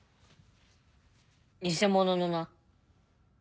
偽物のな。